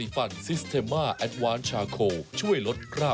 เป็นลิ้นทองคำเลยเหรอคะ